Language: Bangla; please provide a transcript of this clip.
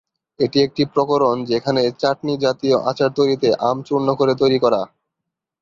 এটি একটি প্রকরণ যেখানে চাটনি-জাতীয় আচার তৈরিতে আম চূর্ণ করে তৈরি করা